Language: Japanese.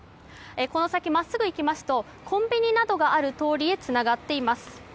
この先、真っすぐ行きますとコンビニなどがある通りへつながっています。